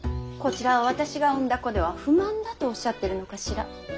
こちらは私が産んだ子では不満だとおっしゃってるのかしら。